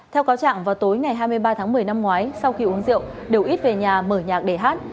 theo cáo trạng vào tối ngày hai mươi ba tháng một mươi năm ngoái sau khi uống rượu đều ít về nhà mở nhạc để hát